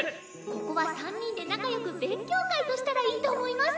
ここは三人で仲よく勉強会としたらいいと思います。